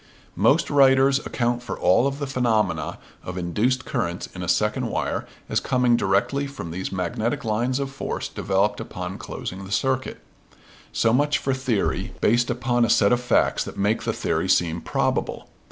Most writers account for all of the phenomena of induced currents in a second wire as coming directly from these magnetic lines of force developed upon closing the circuit. So much for theory based upon a set of facts that make the theory seem probable.